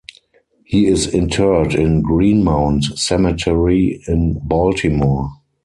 He is interred in Greenmount Cemetery in Baltimore.